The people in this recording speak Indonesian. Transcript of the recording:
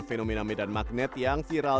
fenomena medan magnet yang viral